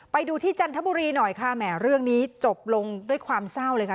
ไปดูที่จันทบุรีหน่อยค่ะแหมเรื่องนี้จบลงด้วยความเศร้าเลยค่ะ